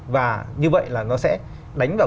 và như vậy là nó sẽ đánh vào